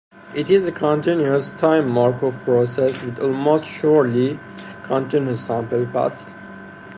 It is a continuous-time Markov process with almost surely continuous sample paths.